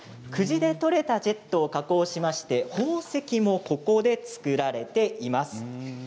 久慈で採れたジェットを加工しまして宝石もここで作られています。